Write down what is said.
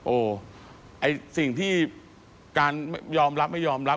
โอ้ต้องยอมรับไม่ยอมรับ